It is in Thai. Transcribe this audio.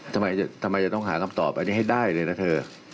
ทำไมจะต้องหาคำตอบอันนี้ให้ได้เลยนะเธอ